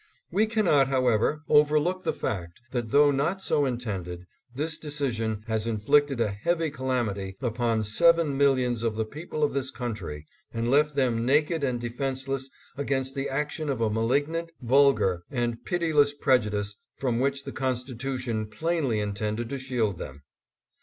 We cannot, however, overlook the fact that though not so intended, this decision has inflicted a heavy calamity upon seven millions of the people of this coun try, and left them naked and defenseless against the action of a malignant, vulgar and pitiless prejudice from which the Constitution plainly intended to shield them.